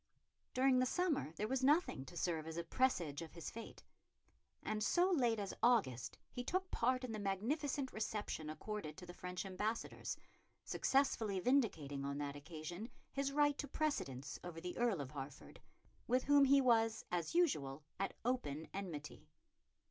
During the summer there was nothing to serve as a presage of his fate; and so late as August he took part in the magnificent reception accorded to the French ambassadors, successfully vindicating on that occasion his right to precedence over the Earl of Hertford, with whom he was as usual at open enmity.